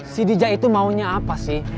si dj itu maunya apa sih